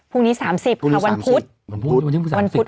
พรุ่งนี้๓๐ค่ะวันพุธ